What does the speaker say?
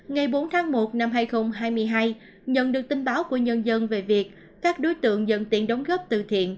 ngày bốn tháng một năm hai nghìn hai mươi hai nhận được tin báo của nhân dân về việc các đối tượng dân tiện đóng góp tự thiện